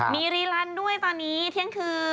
มีรีลันด้วยตอนนี้เที่ยงคืน